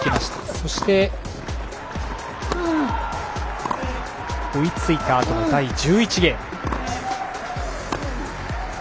そして追いついたあとの第１１ゲーム。